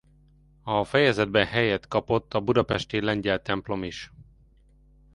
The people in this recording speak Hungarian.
A fejezetben helyet kapott a budapesti lengyel templom is.